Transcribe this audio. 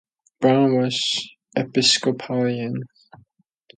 Brown was Episcopalian.